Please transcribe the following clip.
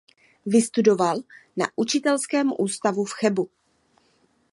Vystudoval na učitelském ústavu v Chebu.